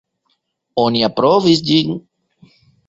Oni aprobis ĝin.